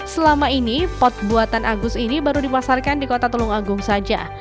selama ini pot buatan agus ini baru dipasarkan di kota tulung agung saja